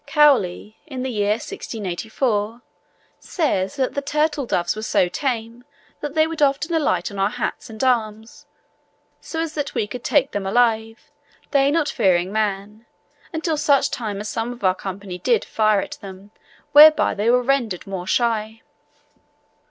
Cowley (in the year 1684) says that the "Turtledoves were so tame, that they would often alight on our hats and arms, so as that we could take them alive, they not fearing man, until such time as some of our company did fire at them, whereby they were rendered more shy."